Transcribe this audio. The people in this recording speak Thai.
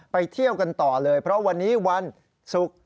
เที่ยวกันต่อเลยเพราะวันนี้วันศุกร์